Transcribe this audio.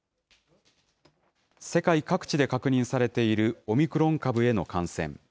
世界各地で確認されているオミクロン株への感染。